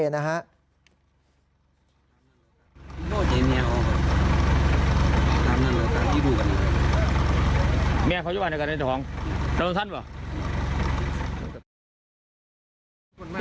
ก็เคยรู้ว่าตัวชาวบ้านก็ได้ถึงสรุป